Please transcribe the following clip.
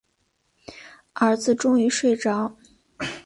儿子终于睡着